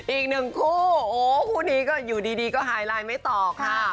อีกหนึ่งคู่โอ้คู่นี้ก็อยู่ดีก็หายไลน์ไม่ตอบค่ะ